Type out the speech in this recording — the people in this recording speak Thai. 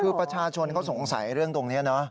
คือประชาชนเขาสงสัยเรื่องตรงนี้เนอะ